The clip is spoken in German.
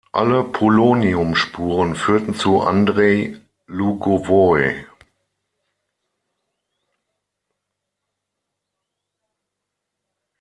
Alle Polonium-Spuren führten zu Andrei Lugowoi.